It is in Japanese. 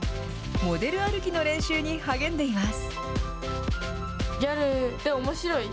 モデル歩きの練習に励んでいます。